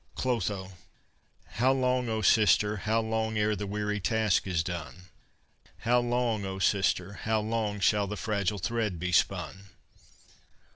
I CLOTHO How long, O sister, how long Ere the weary task is done? How long, O sister, how long Shall the fragile thread be spun?